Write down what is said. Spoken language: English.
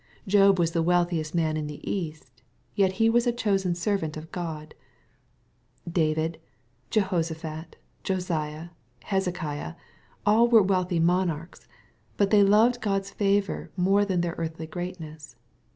Job was the wealthiest man in the east, yet he was a chosen servant of God. David, Jehoshaphat, Josiah, Hezekiah, were all wealthy monarchs, but they loved God's favor more than their earthly greatness.